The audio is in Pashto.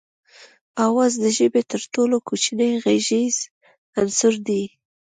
آواز د ژبې تر ټولو کوچنی غږیز عنصر دی